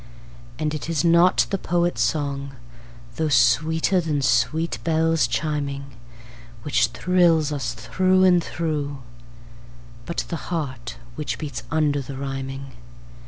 And it is not the poet's song, though sweeter than sweet bells chiming, Which thrills us through and through, but the heart which beats under the rhyming.